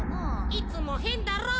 いつもへんだろ。